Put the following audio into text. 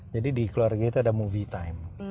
jadi di keluarga itu ada movie time